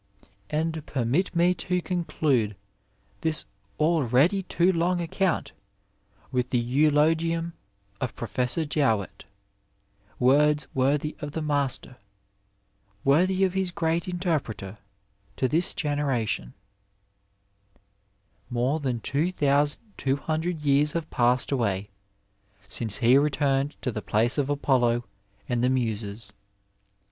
And permit me to conclude this already too long account with the eulogium of Professor Jowett— words worthy of the master, worthy of his great interpreter to this genera tion: "More than two thousand two hundred years have passed away since he returned to the place of Apollo and the Muses.